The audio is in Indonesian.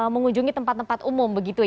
mengunjungi tempat tempat umum